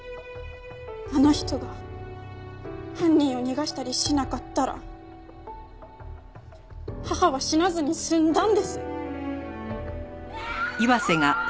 あの人が犯人を逃がしたりしなかったら母は死なずに済んだんです！